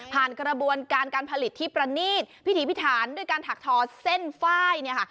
ผ่านกระบวนการการผลิตที่ประณีตพิธีพิธานด้วยการถักทอเส้นไฟล์